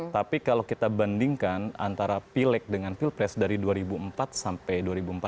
tapi kalau kita bandingkan antara pileg dengan pilpres dari dua ribu empat sampai dua ribu empat belas